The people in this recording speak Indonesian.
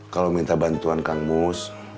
kalau minta bantuan kang mus